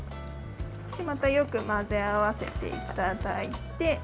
またよく混ぜ合わせていただいて。